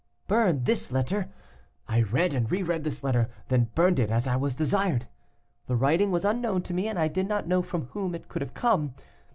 Burn this letter. "I read and re read this letter, then burned it as I was desired. The writing was unknown to me, and I did not know from whom it could have come.